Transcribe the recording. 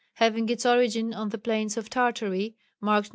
Having its origin on the plains of Tartary (marked No.